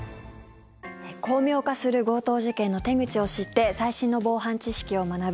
巧妙化する強盗事件の手口を知って最新の防犯知識を学ぶ。